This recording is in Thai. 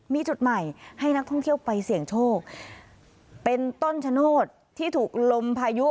มีจุดใหม่ให้นักท่องเที่ยวไปเสี่ยงโชคเป็นต้นชะโนธที่ถูกลมพายุ